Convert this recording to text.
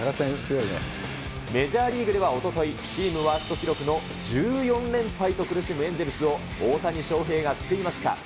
メジャーリーグではおととい、チームワースト記録の１４連敗と苦しむエンゼルスを大谷翔平が救いました。